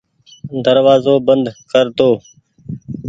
دروآزو بند ڪر دو ۔